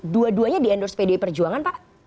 dua duanya di endorse pd pejuangan pak